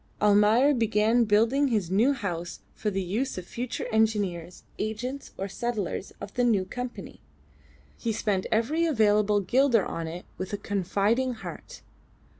Almayer began building his new house for the use of the future engineers, agents, or settlers of the new Company. He spent every available guilder on it with a confiding heart.